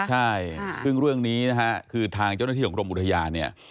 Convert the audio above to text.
ใช่ซึ่งเรื่องนี้นะฮะคือทางเจ้าหน้าที่ของกรมอุทยานเนี่ย